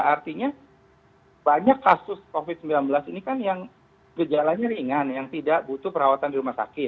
artinya banyak kasus covid sembilan belas ini kan yang gejalanya ringan yang tidak butuh perawatan di rumah sakit